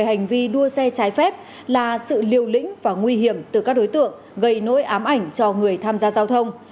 hành vi đua xe trái phép là sự liều lĩnh và nguy hiểm từ các đối tượng gây nỗi ám ảnh cho người tham gia giao thông